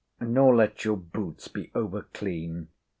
Nor let your boots be over clean.